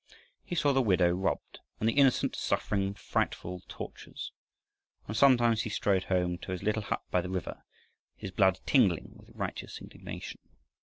He saw the widow robbed, and the innocent suffering frightful tortures, and sometimes he strode home to his little hut by the river, his blood tingling with righteous indignation.